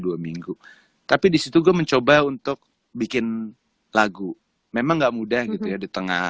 dua minggu tapi disitu gue mencoba untuk bikin lagu memang enggak mudah gitu ya di tengah